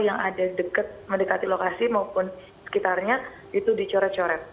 yang ada dekat mendekati lokasi maupun sekitarnya itu dicoret coret